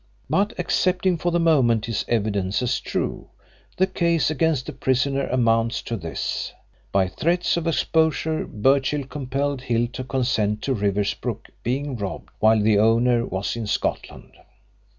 But accepting for the moment his evidence as true the case against the prisoner amounts to this: by threats of exposure Birchill compelled Hill to consent to Riversbrook being robbed while the owner was in Scotland.